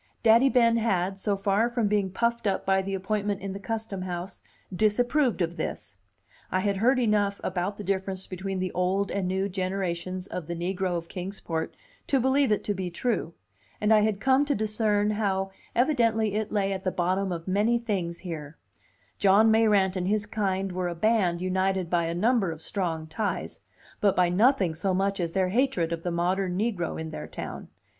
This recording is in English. Daddy Ben had, so far from being puffed up by the appointment in the Custom House, disapproved of this. I had heard enough about the difference between the old and new generations of the negro of Kings Port to believe it to be true, and I had come to discern how evidently it lay at the bottom of many things here: John Mayrant and his kind were a band united by a number of strong ties, but by nothing so much as by their hatred of the modern negro in their town.